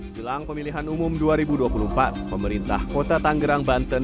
jelang pemilihan umum dua ribu dua puluh empat pemerintah kota tanggerang banten